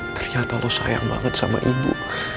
ternyata lu sayang banget sama ibu